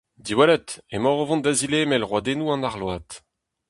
Diwallit, emaoc'h o vont da zilemel roadennoù an arload.